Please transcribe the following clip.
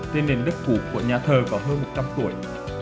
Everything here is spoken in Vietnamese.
tên nền đất cũ của nhà thơ có hơn một trăm linh tuổi